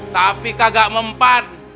tapi kagak mempan